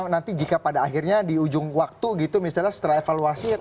nanti jika pada akhirnya di ujung waktu gitu misalnya setelah evaluasi